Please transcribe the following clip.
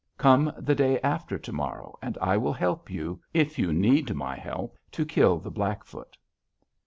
Come the day after to morrow and I will help you if you need my help to kill the Blackfoot.'